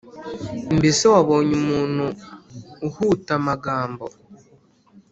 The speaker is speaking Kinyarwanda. mbese wabonye umuntu uhuta amagambo?